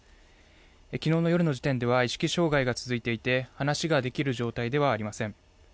昨日の夜の時点では意識障害が続いていて話ができる状態ではありません。